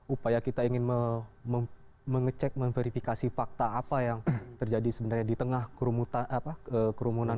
upaya kita ingin mengecek memverifikasi fakta apa yang terjadi sebenarnya di tengah kerumunan